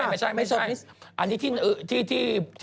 ไม่ใช่ไม่ใช่อันนี้ที่